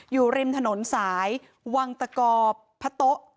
อยู่ริมถนนสายวังตะกอพะโต๊ะ